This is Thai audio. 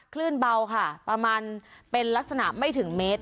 คลื่นเบาค่ะประมาณเป็นลักษณะไม่ถึงเมตร